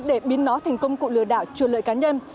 để biến nó thành công cụ lừa đảo chua lợi cá nhân